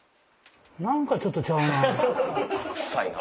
何かちょっとちゃうな。